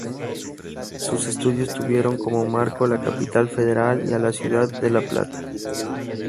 Sus estudios tuvieron como marco la Capital Federal y la ciudad de La Plata.